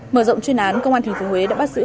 mở rộng chuyên án công an thành phố huế đã bắt giữ